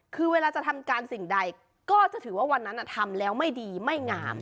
คือเวลาจะทำการสิ่งใดก็จะถือว่าวันนั้นทำแล้วไม่ดีไม่งาม